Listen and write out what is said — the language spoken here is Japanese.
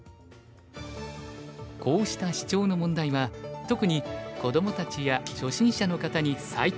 こうしたシチョウの問題は特に子どもたちや初心者の方に最適！